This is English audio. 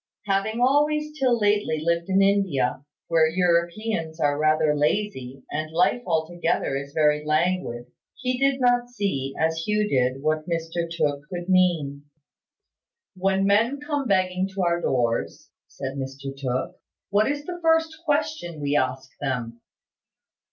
Having always till lately lived in India, where Europeans are rather lazy, and life altogether is very languid, he did not see, as Hugh did, what Mr Tooke could mean. "When men come begging to our doors," said Mr Tooke, "what is the first question we ask them?"